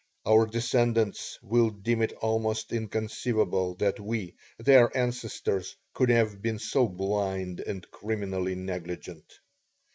Our descendants will deem it almost inconceivable that we, their ancestors, could have been so blind and criminally negligent.